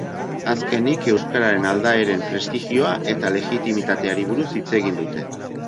Azkenik, euskararen aldaeren prestigioa eta legitimitateari buruz hitz egin dute.